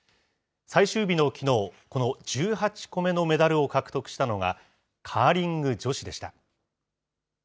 最終日のきのう、この１８個目のメダルを獲得したのが、カーリング女子でした。